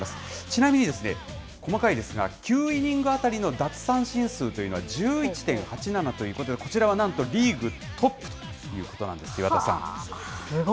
ちなみに細かいですが、９イニング当たりの奪三振数というのは１１．８７ということで、こちらはなんとリーグトップということなんです、岩田さん。